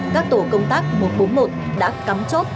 các tổ công tác một trăm bốn mươi một đã cắm chốt